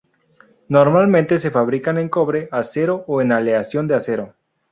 Normalmente, se fabrican en cobre, acero o en aleación de acero.